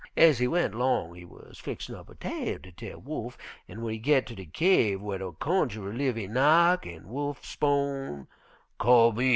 Ez he went 'long he wuz fixin' up a tale ter tell Wolf, an' w'en he git ter de kyave whar de cunjerer live he knock an' Wolf 'spon', 'Come in!'